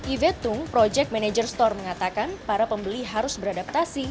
ivetung project manager store mengatakan para pembeli harus beradaptasi